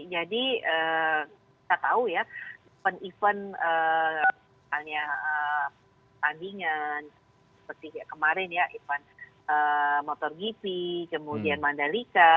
jadi saya tahu ya event event tandingan seperti kemarin ya event motor gipi kemudian mandalika